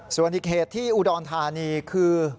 ส่วนอีกเหตุที่อุดรธานีคือ